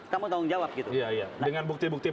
kamu tanggung jawab gitu iya iya dengan bukti bukti